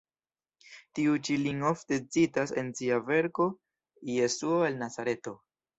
Tiu ĉi lin ofte citas en sia verko Jesuo el Nazareto.